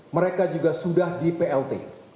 mereka juga sudah di plt